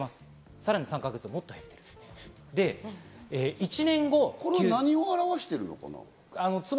さらに３か月後、もっと減っていこれは何を表してるのかな？